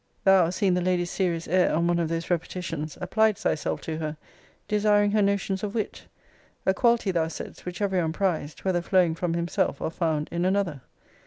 Thou, seeing the lady's serious air on one of those repetitions, appliedst thyself to her, desiring her notions of wit: a quality, thou saidst, which every one prized, whether flowing from himself, or found in another.